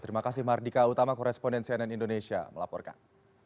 terima kasih mardika utama koresponden cnn indonesia melaporkan